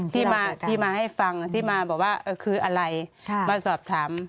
ที่มาที่มาให้ฟังที่มาบอกว่าคืออะไรมาสอบถาม